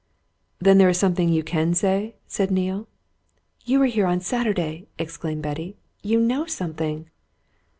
"Then there is something you can say?" said Neale. "You were here on Saturday!" exclaimed Betty. "You know something!"